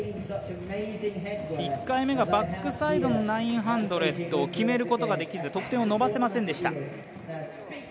１回目がバックサイドの９００を決めることができず得点を伸ばせませんでした。